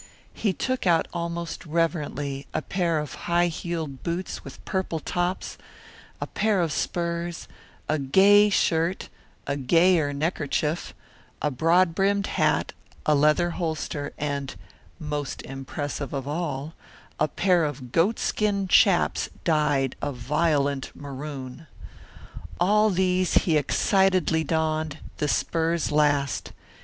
He took out almost reverently a pair of high heeled boots with purple tops, a pair of spurs, a gay shirt, a gayer neckerchief, a broad brimmed hat, a leather holster, and most impressive of all a pair of goatskin chaps dyed a violent maroon. All these he excitedly donned, the spurs last.